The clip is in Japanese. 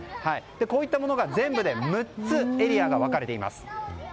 こういったものが全部で６つエリアが分かれています。